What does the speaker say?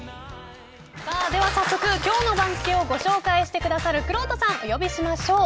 早速今日の番付をご紹介してくださるくろうとさん、お呼びしましょう。